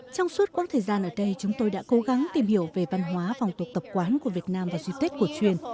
trong suốt quãng thời gian ở đây chúng tôi đã cố gắng tìm hiểu về văn hóa phòng tục tập quán của việt nam vào dịp tết cổ truyền